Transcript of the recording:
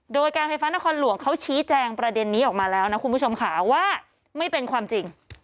โดยการไฟฟ้านครหลวงเขาชี้แจงประเด็นนี้ออกมาแล้วนะคุณผู้ชมค่ะว่าไม่เป็นความจริง